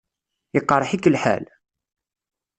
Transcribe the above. Iqṛeḥ-ik lḥal?